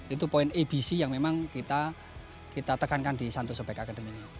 itu poin abc yang memang kita tekankan di santos opec academy ini